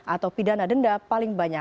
atau pidana denda paling banyak rp lima belas